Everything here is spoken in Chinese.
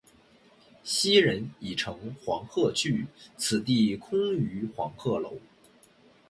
昔人已乘黄鹤去，此地空余黄鹤楼。